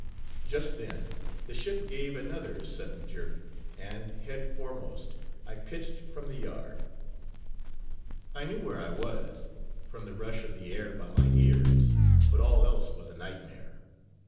Just then the ship gave another sudden jerk, and, head foremost, I pitched from the yard. I knew where I was, from the rush of the air by my ears, but all else was a nightmare.